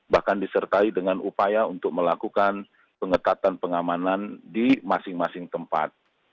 bahkan disertai dengan upaya untuk melakukan pengetatan pengamanan di masing masing tempat